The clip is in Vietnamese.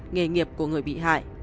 nghề nghiệp của người bị hại